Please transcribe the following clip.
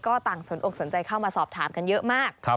ก็ต่างสนอกสนใจเข้ามาสอบถามกันเยอะมาก